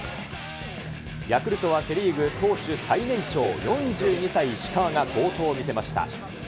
ヤクルトはセ・リーグ投手最年長４２歳、石川が好投を見せました。